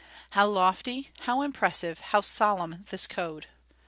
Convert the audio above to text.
How lofty, how impressive, how solemn this code!